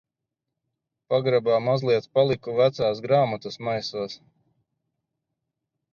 Pagrabā mazliet paliku vecās grāmatas maisos.